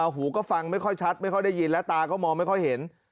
หูก็ฟังไม่ค่อยชัดไม่ค่อยได้ยินและตาก็มองไม่ค่อยเห็น